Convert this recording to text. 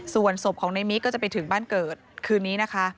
ส่วนศพของในมิ๊กก็จะไปถึงบ้านเกิดคืนนี้นะคะ